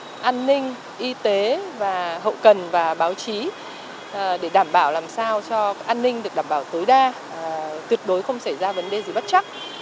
các an ninh y tế và hậu cần và báo chí để đảm bảo làm sao cho an ninh được đảm bảo tối đa tuyệt đối không xảy ra vấn đề gì bất chắc